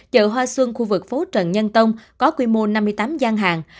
chợ hoa xuân khu vực phố trần nhân tông có quy mô năm mươi tám gian hàng